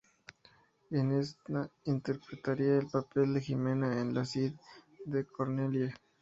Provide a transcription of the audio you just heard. En esta interpretaría el papel de Jimena en "Le Cid", de Corneille.